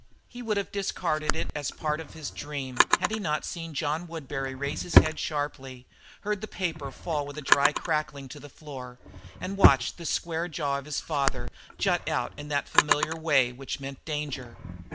He would have discarded it for a part of his dream, had not he seen John Woodbury raise his head sharply, heard the paper fall with a dry crackling to the floor, and watched the square jaw of his father jut out in that familiar way which meant danger.